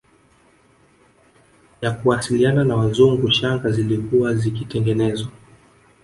ya kuwasiliana na Wazungu shanga zilikuwa zikitengenezwa